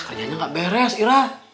kerjanya nggak beres ira